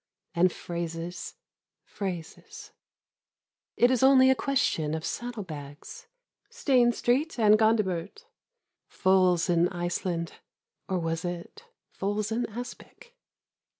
And phrases, phrases — It is only a question of saddle bags, Stane Street and Gondibert, Foals in Iceland (or was it Foals in aspic ?).